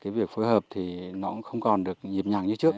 việc phối hợp thì nó không còn được nhịp nhàng như trước